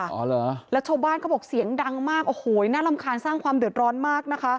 อ๋อเหรอแล้วชาวบ้านเขาบอกเสียงดังมากโอ้โหน่ารำคาญสร้างความเดือดร้อนมากนะคะ